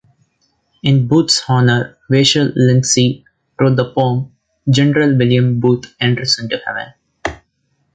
In Booth's honour, Vachel Lindsay wrote the poem, "General William Booth Enters Into Heaven".